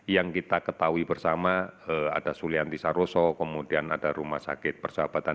yang kita ketahui bersama ada sulianti saroso kemudian ada rumah sakit persahabatan